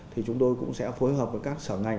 thì chúng tôi cũng sẽ phối hợp với các sở ngành